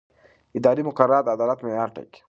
اداري مقررات د عدالت معیار ټاکي.